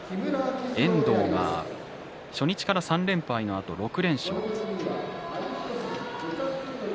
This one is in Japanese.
遠藤が初日から３連敗のあと６連勝。